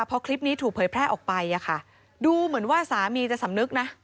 พอคลิปนี้ถูกเผยแพร่ออกไปดูเหมือนว่าสามีจะสำนึกนะ